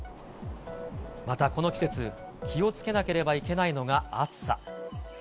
またこの季節、気をつけなければいけないのが暑さ。